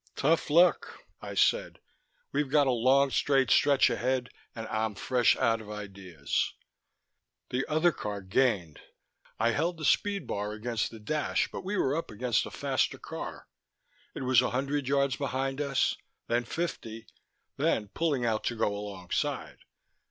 "Tough luck," I said. "We've got a long straight stretch ahead, and I'm fresh out of ideas...." The other car gained. I held the speed bar against the dash but we were up against a faster car; it was a hundred yards behind us, then fifty, then pulling out to go alongside.